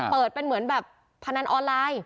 เปิดเป็นเหมือนแบบพนันออนไลน์